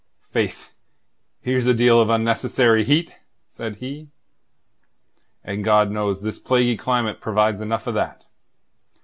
"Faith! here's a deal of unnecessary heat," said he. "And God knows this plaguey climate provides enough of that.